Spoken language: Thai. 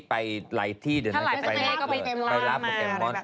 ไปหลายที่เดี๋ยวนั้นจะไปถ้าหลายไปเต้นเต้นล่ามาอะไรแบบนี้